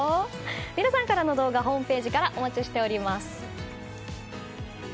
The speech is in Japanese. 皆さんからの動画ホームページからお待ちしています。